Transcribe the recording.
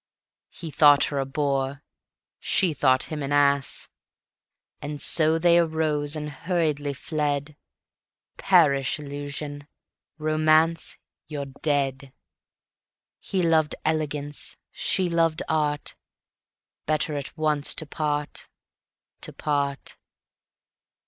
He thought her a bore, she thought him an ass. And so they arose and hurriedly fled; Perish Illusion, Romance, you're dead. He loved elegance, she loved art, Better at once to part, to part.